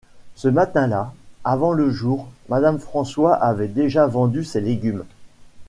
Ce matin-là, avant le jour, madame François avait déjà vendu ses légumes.